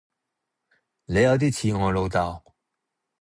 你有啲似我老豆